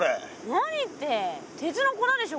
何って鉄の粉でしょ